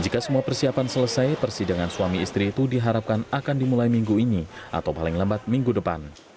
jika semua persiapan selesai persidangan suami istri itu diharapkan akan dimulai minggu ini atau paling lambat minggu depan